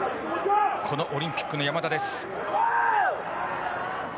このオリンピックの山田です。